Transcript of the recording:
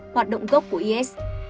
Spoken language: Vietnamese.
hoạt động gốc của isis